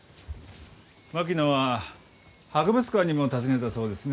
槙野は博物館にも訪ねたそうですね。